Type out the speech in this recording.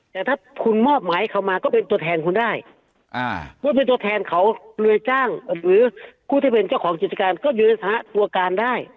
แต่ถ้าคุณมอบหมายเขามาก็เป็นตัวแทนคุณได้ว่าเป็นตัวแทนเขาเรือจ้างหรือผู้ที่เป็นเจ้าของกิจการก็อยู่ในสถานะตัวการได้